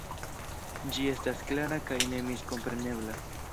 Ĝi estas klara kaj nemiskomprenebla.